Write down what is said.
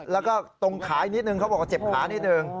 แล้วก็ตรงขาอีกนิดนึงเขาบอกว่าเจ็บขานิดนึง